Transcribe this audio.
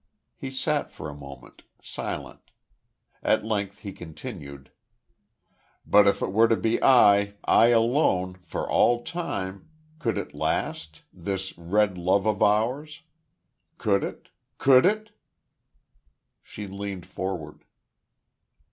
He sat for a moment, silent. At length he continued: "But if it were to be I, I alone, for all time, could it last this Red Love of ours? Could it? ... Could it?" She leaned forward.